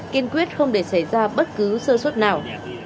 kiên quyết không để xảy ra bất cứ sơ suất nào